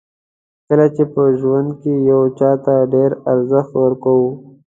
کله چې په ژوند کې یو چاته ډېر ارزښت ورکوو.